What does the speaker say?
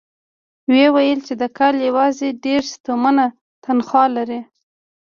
ويې ويل چې د کال يواځې دېرش تومنه تنخوا لري.